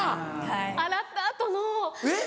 洗った後の。えっ？